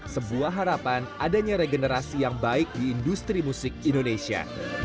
sebuah harapan adanya regenerasi yang baik di industri musik indonesia